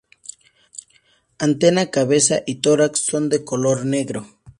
Antena, cabeza y tórax son de color negro.